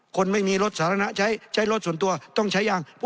คนไม่มีรถสาธารณะใช้รถส่วนตัวต้องใช้ยาง